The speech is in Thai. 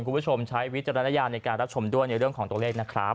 คุณผู้ชมใช้วิจารณญาณในการรับชมด้วยในเรื่องของตัวเลขนะครับ